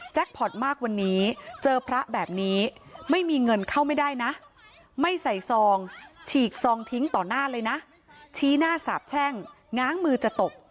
พอตมากวันนี้เจอพระแบบนี้ไม่มีเงินเข้าไม่ได้นะไม่ใส่ซองฉีกซองทิ้งต่อหน้าเลยนะชี้หน้าสาบแช่งง้างมือจะตก